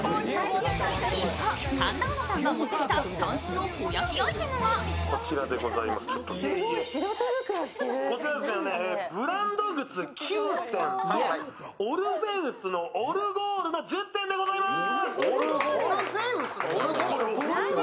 一方、神田うのさんが持ってきたたんすの肥やしアイテムはブランド靴９点、オルフェウスのオルゴールの１０点でございます。